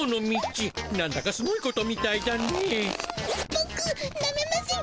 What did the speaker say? ボクなめません。